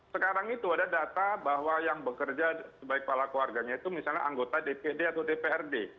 sekarang itu ada data bahwa yang bekerja sebagai kepala keluarganya itu misalnya anggota dpd atau dprd